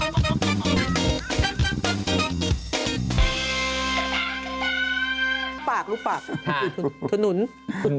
หมูใส่เชื้อเลี้ยวบ้างนะครับ